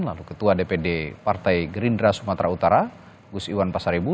lalu ketua dpd partai gerindra sumatera utara gus iwan pasaribu